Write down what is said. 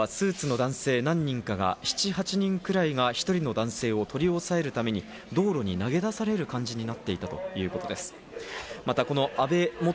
撃たれと直後、スーツの男性何人かが、７８人くらいが１人の男性を取り押さえるために道路に投げ出される感じになっていたということです。